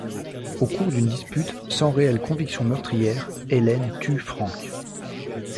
Au cours d'une dispute, sans réelle conviction meurtrière, Hélène tue Franck.